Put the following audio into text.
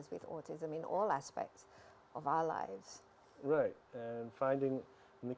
dan harus mengungkapkan orang orang yang dikandalkan dengan otisme